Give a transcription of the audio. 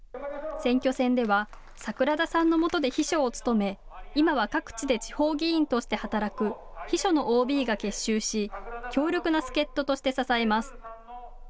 選挙戦では、桜田さんの元で秘書を務め、今は各地で地方議員として働く秘書のＯＢが結集し、強力な助っととして支えます。